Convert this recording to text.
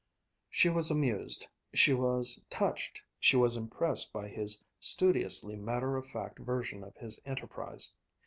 She was amused, she was touched, she was impressed by his studiously matter of fact version of his enterprise.